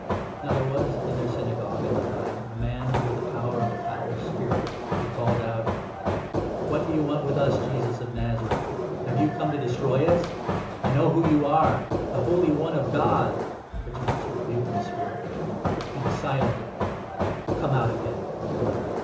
Now there was in their 23 Synagogue at the time a man under the power of a foul spirit, who called out : "What do you want with us, Jesus of Nazareth? Have 24 you come to destroy us ?• I know who you are — the Holy One of God !" But Jesus rebuked the spirit : 25 " Be silent ! come out from him."